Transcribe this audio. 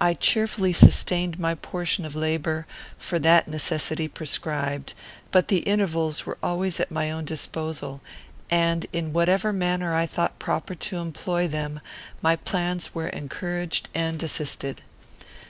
I cheerfully sustained my portion of labour, for that necessity prescribed; but the intervals were always at my own disposal, and, in whatever manner I thought proper to employ them, my plans were encouraged and assisted.